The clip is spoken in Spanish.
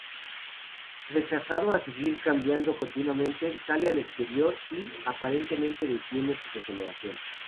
Rechazando a seguir cambiando continuamente, sale al exterior y aparentemente detiene su regeneración.